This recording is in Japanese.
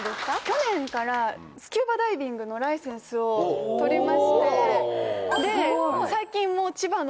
去年からスキューバダイビングのライセンスを取りまして。